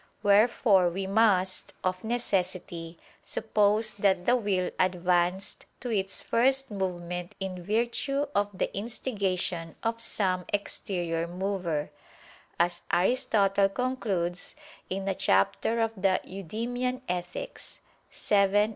Wherefore we must, of necessity, suppose that the will advanced to its first movement in virtue of the instigation of some exterior mover, as Aristotle concludes in a chapter of the Eudemian Ethics (vii, 14).